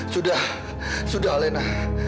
sudah sudah alenda